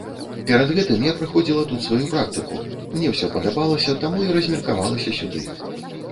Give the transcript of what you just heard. Перад гэтым я праходзіла тут сваю практыку, мне ўсё падабалася, таму і размеркавалася сюды.